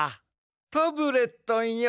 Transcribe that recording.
タブレットンよ